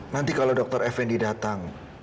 nanti kalau dokter effendi datang